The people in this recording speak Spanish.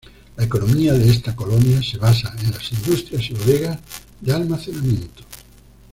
La economía de esta colonia se basa en las industrias y bodegas de almacenamiento.